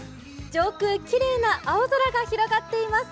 上空きれいな青空が広がっています。